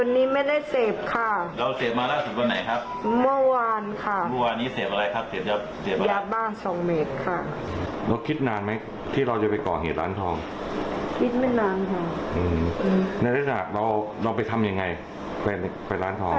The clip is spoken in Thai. ในธนาคต์เราไปทำยังไงไปร้านทอง